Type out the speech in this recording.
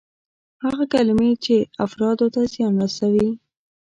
هغه کلمې چې افرادو ته زیان رسوي.